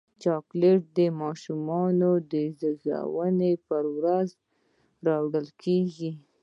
چاکلېټ د ماشومانو د زیږون پر ورځ راوړل کېږي.